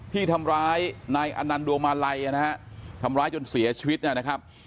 ที่ทำร้ายนายอนันดวงมาลัยนะฮะทำร้ายจนเสียชีวิตนะครับ